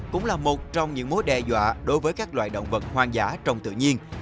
cũng là một trong những mối đe dọa đối với các loài động vật hoang dã trong tự nhiên